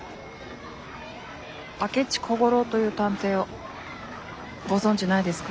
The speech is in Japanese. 明智小五郎という探偵をご存じないですか？